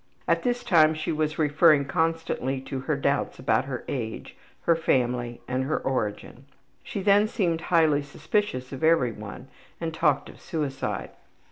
At this time she was referring constantly to her doubts about her age, her family, and her origin. She then seemed highly suspicious of every one and talked of suicide.